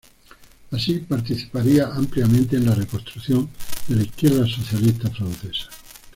Así participaría ampliamente en la reconstrucción de la izquierda socialista francesa.